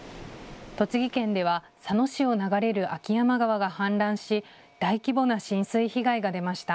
栃木県では佐野市を流れる秋山川が氾濫し大規模な浸水被害が出ました。